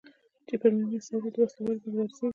چې پر ملي مسایلو دې وسلوالې مبارزې وشي.